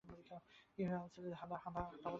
কী ভাবছিলে, হাঁদা?